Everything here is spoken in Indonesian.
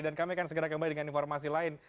dan kami akan segera kembali dengan informasi lain